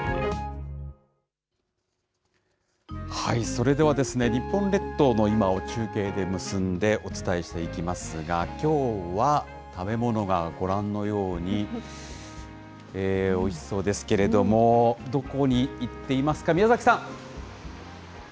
それでは、日本列島の今を中継で結んでお伝えしていきますが、きょうは、食べ物がご覧のように、おいしそうですけれども、どこに行っていますか、宮崎さん。